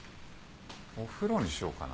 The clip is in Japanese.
お風呂にしようかな。